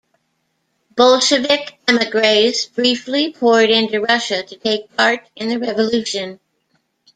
Bolshevik emigres briefly poured into Russia to take part in the revolution.